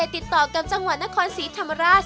ติดต่อกับจังหวัดนครศรีธรรมราช